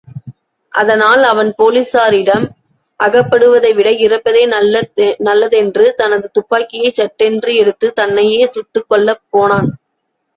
அதனால் அவன் போலீஸாரிடம் அகப்படுவதைவிட இறப்பதே நல்ல தென்று தனது துப்பாக்கியைச் சட்டென்று எடுத்து, தன்னையே சுட்டுக்கொள்ளப் போனான்.